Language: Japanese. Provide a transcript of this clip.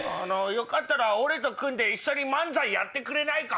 よかったら俺と組んで一緒に漫才やってくれないか？